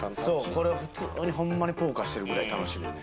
これ普通にホンマにポーカーしてるぐらい楽しいよね。